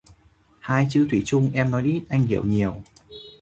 Hai chữ “thủy chung”, em nói ít, anh hiểu nhiều